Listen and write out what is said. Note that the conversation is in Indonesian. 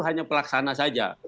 hanya pelaksana saja